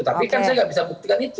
tapi kan saya nggak bisa buktikan itu